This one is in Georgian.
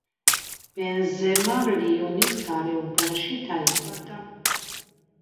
ბენზემა ლიონის გარეუბანში დაიბადა.